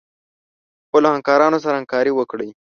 خپلو همکارانو سره همکاري وکړئ.